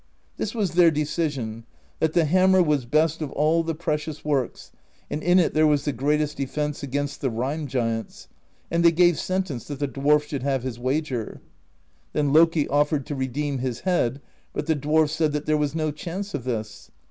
"This was their decision : that the hammer was best of all the precious works, and in it there was the greatest de fence against the Rime Giants; and they gave sentence, that the dwarf should have his wager. Then Loki off'ered to redeem his head, but the dwarf said that there was no chance of this.